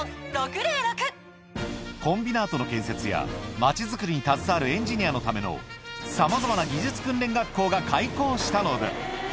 コンビナートの建設や、町作りに携わるエンジニアのためのさまざまな技術訓練学校が開校したのだ。